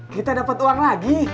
kita dapat uang lagi